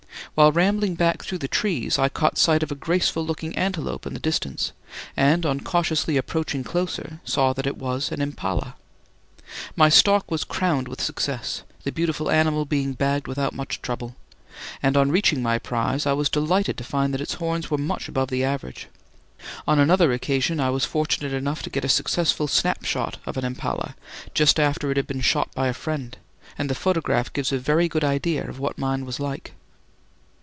While rambling back through the trees I caught sight of a graceful looking antelope in the distance, and on cautiously approaching closer saw that it was an impala. My stalk was crowned with success, the beautiful animal being bagged without much trouble; and on reaching my prize I was delighted to find that its horns were much above the average. On another occasion I was fortunate enough to get a successful snapshot of an impala just after it had been shot by a friend, and the photograph gives a very good idea of what mine was like.